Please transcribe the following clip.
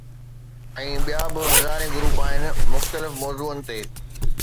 ۽ ٻيا به هزارين گروپ آهن مختلف موضوعن تي.